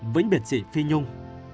vĩnh biệt chị phi nhung